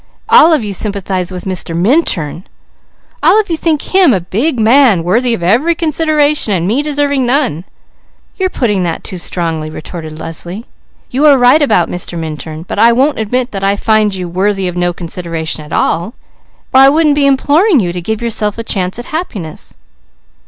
All of you sympathize with Mr. Minturn! All of you think him a big man worthy of every consideration and me deserving none." "You're putting that too strong," retorted Leslie. "You are right about Mr. Minturn; but I won't admit that I find you 'worthy of no consideration at all,' or I wouldn't be imploring you to give yourself a chance at happiness."